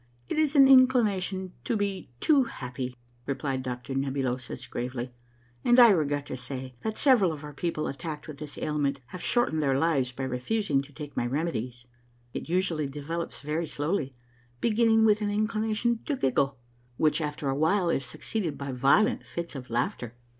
" It is an inclination to be too happy," replied Doctor Neb ulosus gravely, " and I regret to say that several of our people attacked with this ailment have shortened their lives by refus ing to take my remedies. It usually develops very slowly, beginning with an inclination to giggle, which, after a while, is succeeded by violent fits of laughter.